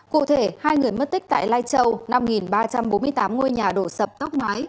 cụ thể hai người mất tích tại lai châu năm ba trăm bốn mươi tám ngôi nhà đổ sập tóc mái